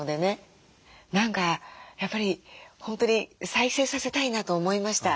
何かやっぱり本当に再生させたいなと思いました